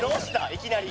いきなり。